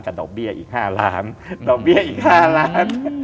กับดอกเบี้ยอีก๕ล้านบาท